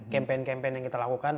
campaign campaign yang kita lakukan